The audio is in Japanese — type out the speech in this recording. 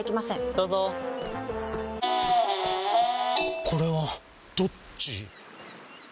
どうぞこれはどっち？